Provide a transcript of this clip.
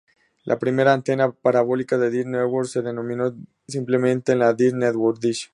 La primera antena parabólica de Dish Network se denominó simplemente la "Dish Network Dish".